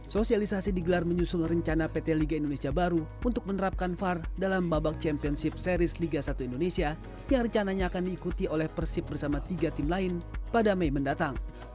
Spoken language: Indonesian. sosialisasi digelar menyusul rencana pt liga indonesia baru untuk menerapkan var dalam babak championship series liga satu indonesia yang rencananya akan diikuti oleh persib bersama tiga tim lain pada mei mendatang